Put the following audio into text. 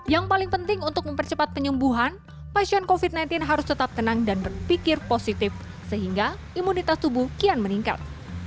yang paling penting untuk mempercepat penyembuhan pasien covid sembilan belas harus tetap tenang dan berpikir positif sehingga imunitas tubuh kian meningkat